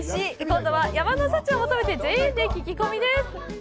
今度は、山の幸を求めてＪＡで聞き込みです。